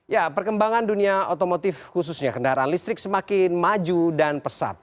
ya perkembangan dunia otomotif khususnya kendaraan listrik semakin maju dan pesat